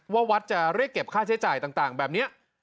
วัดจะเรียกเก็บค่าใช้จ่ายต่างแบบนี้